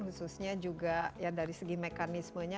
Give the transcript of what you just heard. khususnya juga ya dari segi mekanismenya